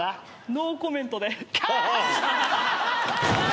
ノーコメントで。